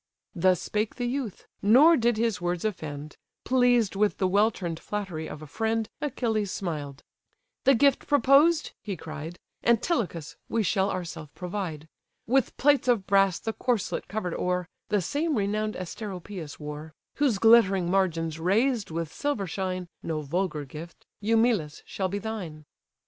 Thus spake the youth; nor did his words offend; Pleased with the well turn'd flattery of a friend, Achilles smiled: "The gift proposed (he cried), Antilochus! we shall ourself provide. With plates of brass the corslet cover'd o'er, (The same renown'd Asteropaeus wore,) Whose glittering margins raised with silver shine, (No vulgar gift,) Eumelus! shall be thine."